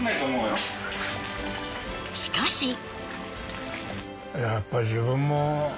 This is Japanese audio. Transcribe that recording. しかし。